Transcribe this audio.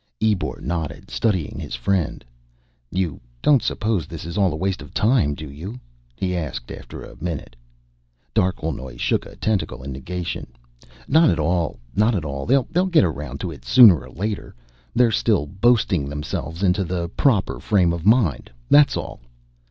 Ebor nodded, studying his friend. "You don't suppose this is all a waste of time, do you?" he asked, after a minute. Darquelnoy shook a tentacle in negation. "Not at all, not at all. They'll get around to it, sooner or later. They're still boasting themselves into the proper frame of mind, that's all."